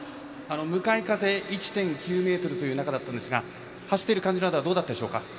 向かい風１．９メートルという中でしたが走っている感じなどはどうだったでしょうか。